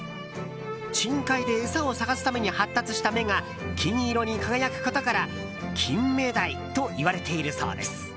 深海で餌を探すために発達した目が金色に輝くことから金目鯛といわれているそうです。